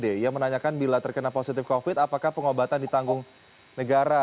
dia menanyakan bila terkena positif covid apakah pengobatan ditanggung negara